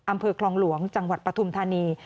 อำเภอคลองหลวงจังหวัดปฐุมธานี